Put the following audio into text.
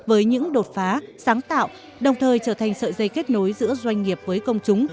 với những đột phá sáng tạo đồng thời trở thành sợi dây kết nối giữa doanh nghiệp với công chúng